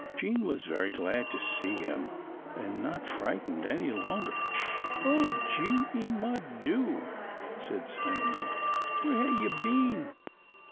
Jean was very glad to see him, and not frightened any longer. "Oh, Jeanie, my doo'," said Simon, "where hae ye been?